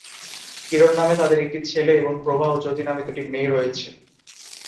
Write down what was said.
কিরণ নামে তাদের একটি ছেলে এবং প্রভা ও জ্যোতি নামে দুটি মেয়ে রয়েছে।